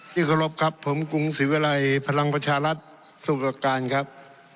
ขอรบครับผมกรุงศรีวิรัยพลังประชารัฐสมุทรประการครับ